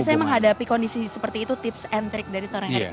saya menghadapi kondisi seperti itu tips and trick dari seorang erick